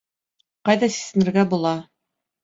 Ҡайҙа сисенергә була?